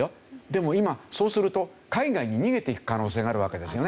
でも今そうすると海外に逃げていく可能性があるわけですよね。